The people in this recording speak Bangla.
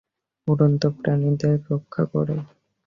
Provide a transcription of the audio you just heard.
উড়ন্ত প্রাণীদের রক্ষা করে।